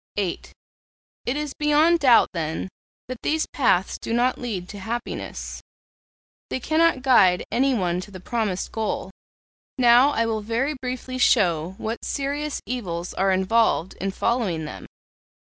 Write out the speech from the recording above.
VIII. 'It is beyond doubt, then, that these paths do not lead to happiness; they cannot guide anyone to the promised goal. Now, I will very briefly show what serious evils are involved in following them.